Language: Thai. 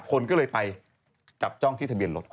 คนก็เลยไปจับจ้องที่ทะเบียนรถ